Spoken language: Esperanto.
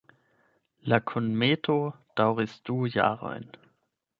La kunmeto daŭris du jarojn.